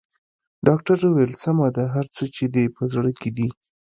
ډاکټر وويل سمه ده هر څه چې دې په زړه کې دي.